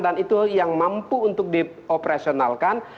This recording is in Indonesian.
dan itu yang mampu untuk di operasionalkan